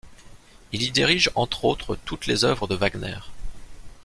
Il y dirige entre autres toutes les œuvres de Wagner.